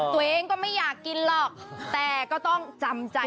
ตัวเองก็ไม่อยากกินหรอกแต่ก็ต้องจำใจ